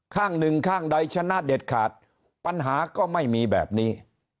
ข้างหนึ่งข้างใดชนะเด็ดขาดปัญหาก็ไม่มีแบบนี้